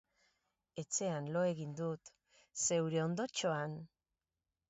Etxean lo egingo dut, zeure ondotxoan.